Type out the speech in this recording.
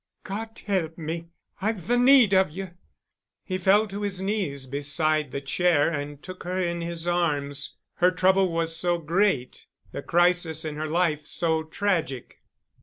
"God help me! I've the need of you." He fell to his knees beside the chair and took her in his arms. Her trouble was so great—the crisis in her life so tragic!